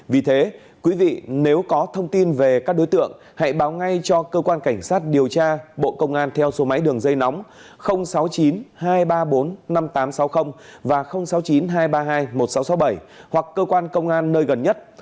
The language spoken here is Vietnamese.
vì thế quý vị nếu có thông tin về các đối tượng hãy báo ngay cho cơ quan cảnh sát điều tra bộ công an theo số máy đường dây nóng sáu mươi chín hai trăm ba mươi bốn năm nghìn tám trăm sáu mươi và sáu mươi chín hai trăm ba mươi hai một nghìn sáu trăm sáu mươi bảy hoặc cơ quan công an nơi gần nhất